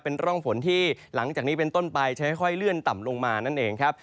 เป็นร่องฝนที่หลังจากนี้เป็นต้นไปจะค่อยเลื่อนต่ำลงมานั่นเองครับ